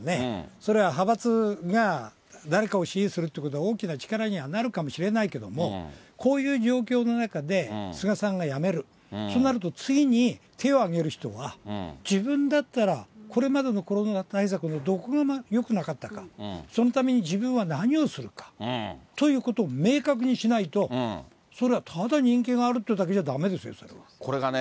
それは派閥が誰かを支持するということは大きな力にはなるかもしれないけども、こういう状況の中で菅さんが辞める、となると、次に手を挙げる人は、自分だったら、これまでのコロナ対策のどこがよくなかったか、そのために自分は何をするかということを明確にしないと、それはただ人気があるってだけじゃだめですよ、これがね、